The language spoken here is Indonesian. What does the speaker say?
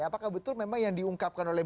apakah betul memang yang diungkapkan oleh